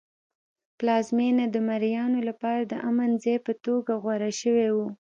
پلازمېنه د مریانو لپاره د امن ځای په توګه غوره شوی و.